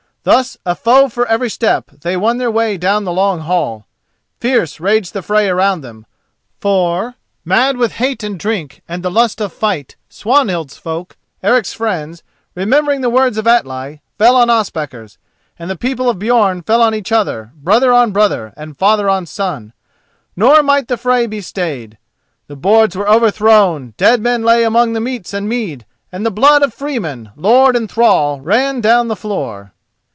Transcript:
Thus, a foe for every step, they won their way down the long hall. Fierce raged the fray around them, for, mad with hate and drink and the lust of fight, Swanhild's folk—Eric's friends—remembering the words of Atli, fell on Ospakar's; and the people of Björn fell on each other, brother on brother, and father on son—nor might the fray be stayed. The boards were overthrown, dead men lay among the meats and mead, and the blood of freeman, lord and thrall ran adown the floor.